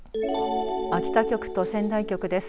秋田局と仙台局です。